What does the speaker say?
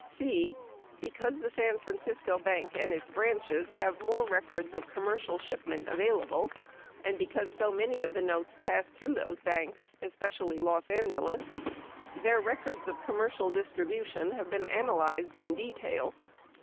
(c) Because the San Francisco bank and its branches have more records of com m ercial shipment available, and because so many of the notes passed through those banks — especially Los Angeles — their rec ords of commercial distribution have been analyzed in detail.